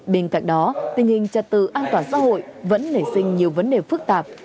bên cạnh đó tình hình trật tự an toàn xã hội vẫn nảy sinh nhiều vấn đề phức tạp